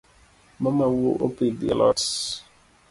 Mamau opidhi alot?